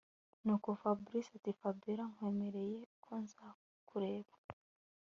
Nuko Fabric atiFabiora nkwemereye ko nzakubera